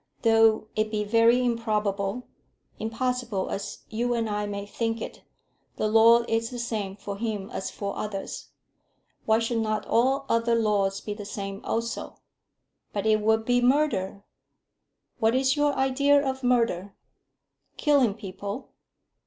Though it be very improbable, impossible, as you and I may think it, the law is the same for him as for others. Why should not all other laws be the same also?" "But it would be murder." "What is your idea of murder?" "Killing people."